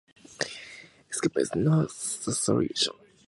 Escape is not the solution.